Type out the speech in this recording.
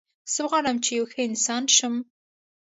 زه غواړم چې یو ښه انسان شم